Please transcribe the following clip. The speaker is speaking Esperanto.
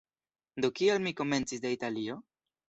Do kial mi komencis de Italio?